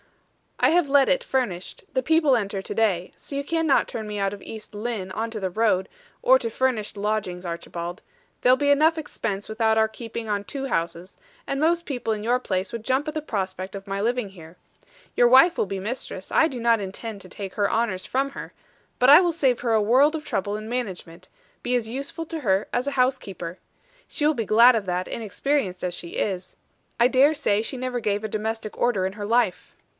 "I have let it furnished; the people enter to day. So you cannot turn me out of East Lynne into the road, or to furnished lodgings, Archibald. There'll be enough expense without our keeping on two houses; and most people in your place would jump at the prospect of my living here. Your wife will be mistress. I do not intend to take her honors from her; but I will save her a world of trouble in management be as useful to her as a housekeeper. She will be glad of that, inexperienced as she is. I dare say she never gave a domestic order in her life."